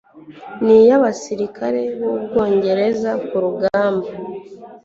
niy'abasirikare b'u Bwongereza ku rugamba,